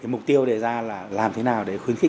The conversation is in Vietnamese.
mục tiêu đề ra là làm thế nào để khuyến khích